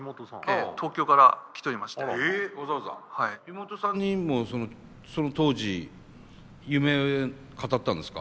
妹さんにもその当時夢語ったんですか？